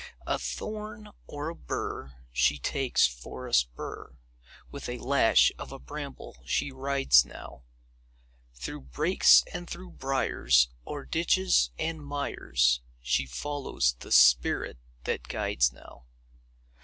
A thorn or a bur She takes for a spur; With a lash of a bramble she rides now, Through brakes and through briars, O'er ditches and mires, She follows the spirit that guides now.